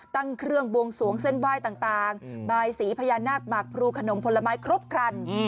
ตั้งเครื่องบวงสวงเส้นไหว้ต่างบายสีพญานาคหมากพรูขนมผลไม้ครบครัน